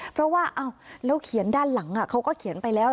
เพราะว่าแล้วเขียนด้านหลังเขาก็เขียนไปแล้ว